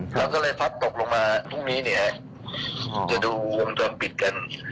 แล้วก็เลยพัดตกลงมาพรุ่งนี้จะดูหุมจนปิดกัน